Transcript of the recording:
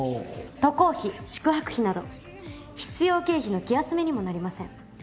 渡航費宿泊費など必要経費の気休めにもなりません。